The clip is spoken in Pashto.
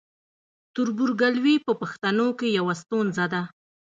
تربورګلوي په پښتنو کې یوه ستونزه ده.